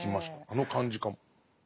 あの感じかも。